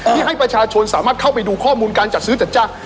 ที่ให้ประชาชนสามารถเข้าไปดูข้อมูลการจัดซื้อจัดจ้าง